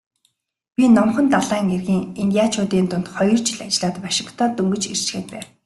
Би Номхон далайн эргийн индианчуудын дунд хоёр жил ажиллаад Вашингтонд дөнгөж ирчхээд байв.